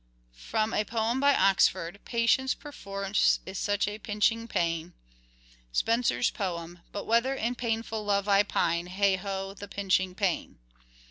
From a poem by Oxford :—" Patience perforce is such a pinching pain." Spenser's poem :—" But whether in painful love I pine Hey, ho, the pinching pain."